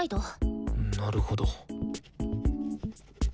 なるほど。